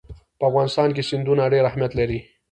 په افغانستان کې سیندونه ډېر اهمیت لري.